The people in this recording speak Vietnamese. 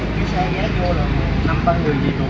từ bấy giờ đến bấy giờ